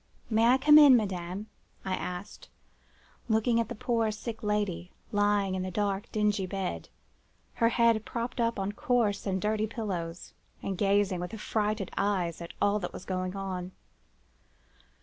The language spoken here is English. "'May I come in, madame?' I asked, looking at the poor sick lady, lying in the dark, dingy bed, her head propped up on coarse and dirty pillows, and gazing with affrighted eyes at all that was going on.